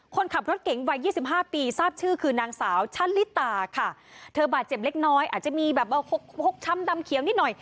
คนขับรถเก๋งวัยยี่สิบห้าปีทราบชื่อคือนางสาวชะลิตาค่ะเธอบาดเจ็บเล็กน้อยอาจจะมีแบบเอาหกช้ำดำเขียวนิดหน่อย